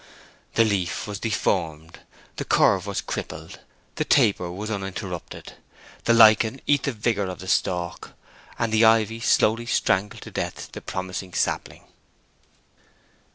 The leaf was deformed, the curve was crippled, the taper was interrupted; the lichen eat the vigor of the stalk, and the ivy slowly strangled to death the promising sapling.